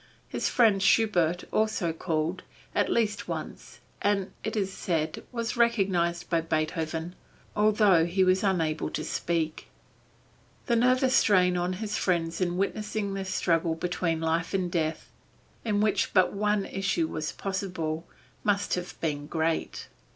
His friend Schubert also called, at least once, and, it is said, was recognized by Beethoven, although he was unable to speak to him. The nervous strain on his friends in witnessing this struggle between life and death, in which but the one issue was possible, must have been great.